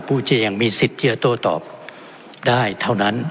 ผู้เจียงมีสิทธิ์เชื่อโตตอบได้เท่านั้น